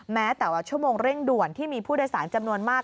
แม้แต่ว่าชั่วโมงเร่งด่วนที่มีผู้โดยสารจำนวนมาก